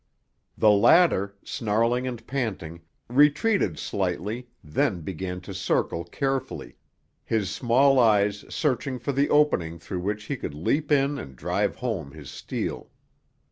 The latter, snarling and panting, retreated slightly, then began to circle carefully, his small eyes searching for the opening through which he could leap in and drive home his steel.